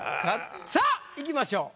さあいきましょう。